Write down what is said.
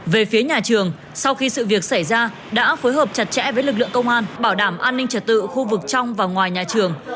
về phía nhà trường sau khi sự việc xảy ra đã phối hợp chặt chẽ với lực lượng công an bảo đảm an ninh trật tự khu vực trong và ngoài nhà trường